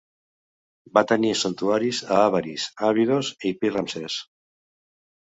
Va tenir santuaris a Avaris, Abidos i Pi-Ramsès.